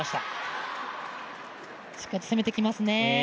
しっかり攻めてきますね